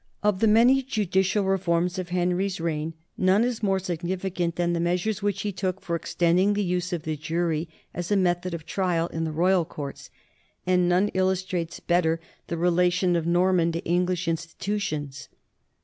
Of the many judicial reforms of Henry's reign none is more significant than the measures which he took for extending the use of the jury as a method of trial in the royal courts, and none illustrates better the relation of Norman to English institutions.